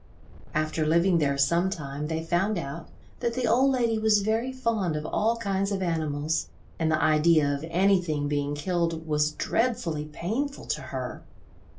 After living there some time they found out that the old lady was very fond of all kinds of animals, and the idea of anything being killed was dreadfully painful to her.